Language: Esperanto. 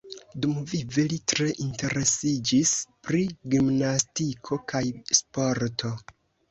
Dumvive li tre interesiĝis pri gimnastiko kaj sporto.